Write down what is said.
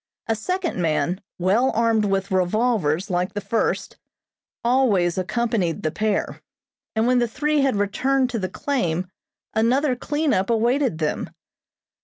A second man, well armed with revolvers like the first, always accompanied the pair, and when the three had returned to the claim another cleanup awaited them.